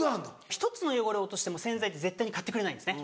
１つの汚れを落としても洗剤って絶対に買ってくれないんですね。